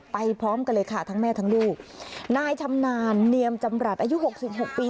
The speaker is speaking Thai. พร้อมกันเลยค่ะทั้งแม่ทั้งลูกนายชำนาญเนียมจำรัฐอายุหกสิบหกปี